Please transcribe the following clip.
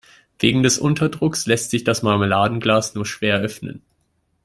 Wegen des Unterdrucks lässt sich das Marmeladenglas nur schwer öffnen.